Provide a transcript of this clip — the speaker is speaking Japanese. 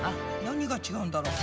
何が違うんだろう？